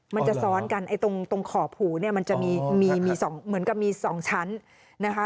มันจะซ้อนกันไอ้ตรงขอบผูเนี่ยมันจะมีสองเหมือนกับมี๒ชั้นนะคะ